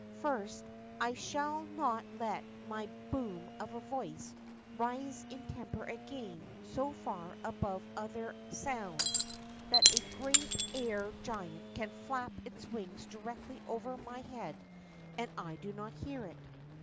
First, I shall not let my boom of a voice rise in temper again so far above all other sounds that a great air giant can flap its wings directly over my head and I not hear it.